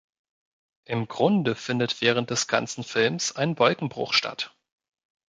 Im Grunde findet während des ganzen Films ein Wolkenbruch statt.